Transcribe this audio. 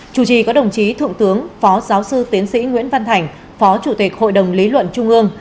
chủ trì có đồng chí thượng tướng phó giáo sư tiến sĩ nguyễn văn thành phó chủ tịch hội đồng lý luận trung ương